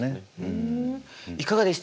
ふんいかがでした？